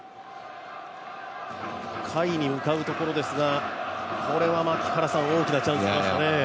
下位に向かうところですがこれは大きなチャンスですね。